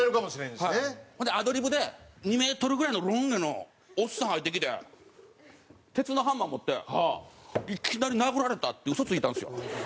ほんでアドリブで２メートルぐらいのロン毛のおっさん入ってきて鉄のハンマー持っていきなり殴られたって嘘ついたんですよ。